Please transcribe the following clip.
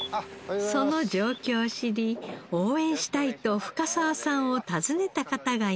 その状況を知り応援したいと深澤さんを訪ねた方がいます。